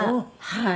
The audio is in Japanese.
はい。